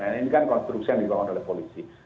nah ini kan konstruksi yang dibangun oleh polisi